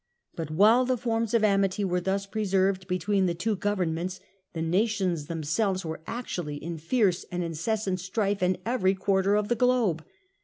But while the forms of amity were thus preserved be tween the two Governments, the nations themselves were Informal actua Hy * n fierce and incessant strife in every war in the quarter of the globe.